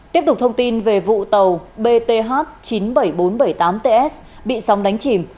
tiếp tục thông tin về vụ tàu bth chín mươi bảy nghìn bốn trăm bảy mươi tám ts bị sóng đánh chìm